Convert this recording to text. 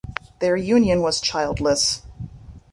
Their union was childless.